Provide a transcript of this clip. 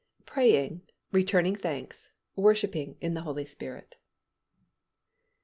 PRAYING, RETURNING THANKS, WORSHIPPING IN THE HOLY SPIRIT.